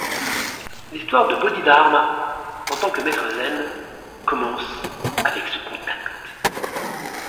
L'’histoire de Bodhidharma en tant que maître zen commence avec ce contact.